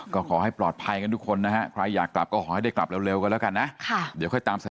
ก็ขอให้ปลอดภัยกันทุกคนนะฮะใครอยากกลับก็ขอให้ได้กลับเร็วกันแล้วกันนะ